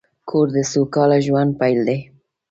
کور د سوکاله ژوند پیل دی.